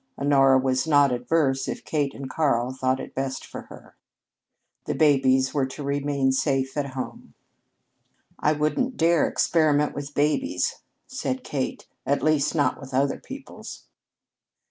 Honora was not averse if Kate and Karl thought it best for her. The babies were to remain safe at home. "I wouldn't dare experiment with babies," said Kate. "At least, not with other people's."